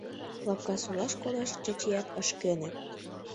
Лапкасолаш кодаш Чачият ыш кӧнӧ.